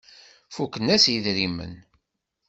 Fuken-as yidrimen.